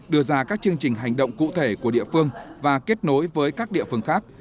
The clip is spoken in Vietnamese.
đưa ra các chương trình hành động cụ thể của địa phương và kết nối với các địa phương khác